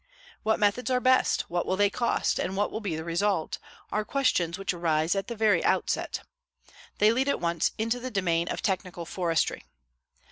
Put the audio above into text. "What methods are best, what will they cost, and what will be the result?" are questions which arise at the very outset. They lead at once into the domain of technical forestry.